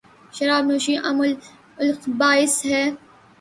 شراب نوشی ام الخبائث ہےـ